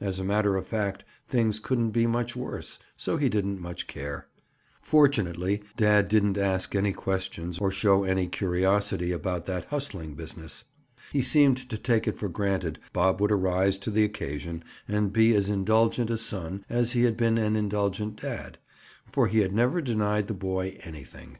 As a matter of fact things couldn't be much worse, so he didn't much care. Fortunately, dad didn't ask any questions or show any curiosity about that "hustling" business. He seemed to take it for granted Bob would arise to the occasion and be as indulgent a son as he had been an indulgent dad—for he had never denied the boy anything.